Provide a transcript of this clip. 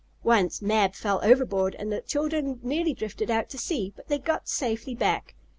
Once Mab fell overboard, and the children nearly drifted out to sea, but they got safely back.